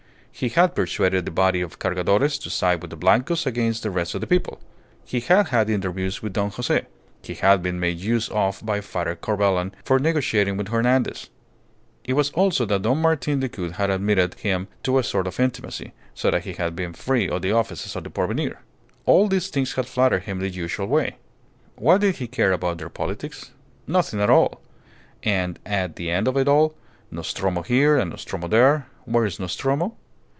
He had persuaded the body of Cargadores to side with the Blancos against the rest of the people; he had had interviews with Don Jose; he had been made use of by Father Corbelan for negotiating with Hernandez; it was known that Don Martin Decoud had admitted him to a sort of intimacy, so that he had been free of the offices of the Porvenir. All these things had flattered him in the usual way. What did he care about their politics? Nothing at all. And at the end of it all Nostromo here and Nostromo there where is Nostromo?